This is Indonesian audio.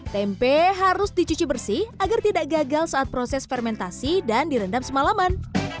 tempe harus dicuci bersih agar tidak gagal saat proses fermentasi dan direndam semalaman